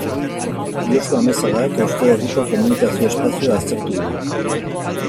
Josu Amezagak Euskal Herriko komunikazio espazioa aztertu du.